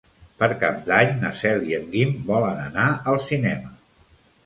Per Cap d'Any na Cel i en Guim volen anar al cinema.